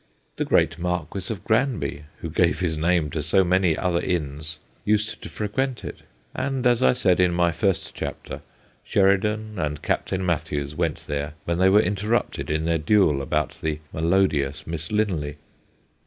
The great Marquis of Granby, who gave his name to so many other inns, used to frequent it ; and, as I said in my first chapter, Sheridan and Captain Mathews went there when they were interrupted in their duel about the melodious Miss Linley.